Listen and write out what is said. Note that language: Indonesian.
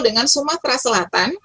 dengan sumatera selatan